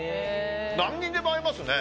何にでも合いますね。